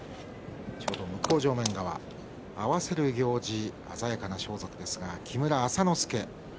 合わせる行司、鮮やかな装束ですが木村朝之助。